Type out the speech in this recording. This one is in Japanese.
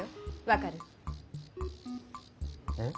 分かる？え？